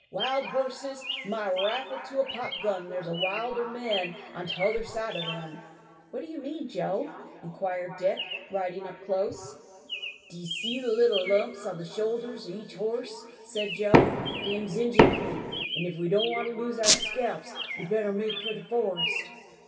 Wild horses! my rifle to a pop gun there's wilder men on t'other side o' them." "What mean you, Joe?" inquired Dick, riding close up. "D'ye see the little lumps on the shoulder o' each horse?" said Joe. "Them's Injun's feet; an' if we don't want to lose our scalps we'd better make for the forest."